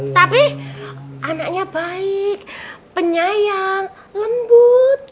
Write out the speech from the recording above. tapi anaknya baik penyayang lembut